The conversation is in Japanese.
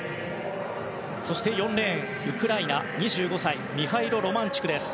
そして４レーンウクライナの２５歳ミハイロ・ロマンチュクです。